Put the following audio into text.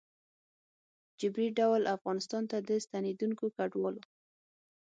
ه جبري ډول افغانستان ته د ستنېدونکو کډوالو